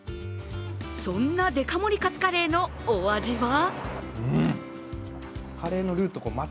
そんなでか盛りかつカレーのお味は？